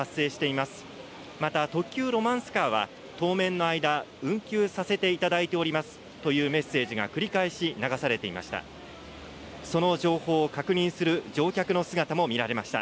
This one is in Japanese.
また特急ロマンスカーは当面の間、運休させていただいておりますというメッセージが繰り返し流されていました。